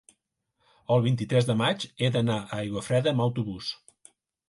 el vint-i-tres de maig he d'anar a Aiguafreda amb autobús.